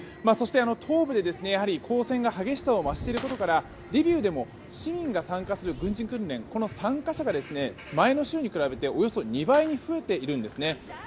そして、東部で交戦が激しさを増していることからリビウでも市民が参加する軍事訓練の参加者が前の週に比べておよそ２倍に増えているんです。